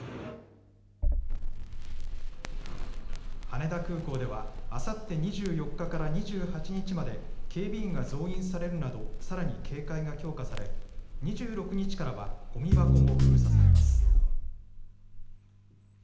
羽田空港ではあさって２４日から２８日まで警備員が増員されるなどさらに警戒が強化され２６日からはごみ箱も封鎖されます。